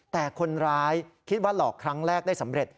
แต่คนร้ายคิดว่าหลอกครั้งแรกได้สำเร็จ